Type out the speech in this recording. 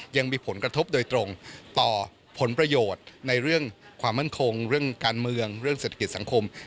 ยังมีผลกระทบโดยตรงต่อผลประโยชน์ในเรื่องความมั่นคงเรื่องการเมืองเรื่องเศรษฐกิจสังคม